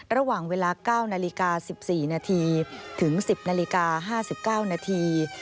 ระหว่างเวลา๙นาฬิกา๑๔นาทีถึง๑๐นาฬิกา๕๙นาที